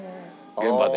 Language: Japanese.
現場で。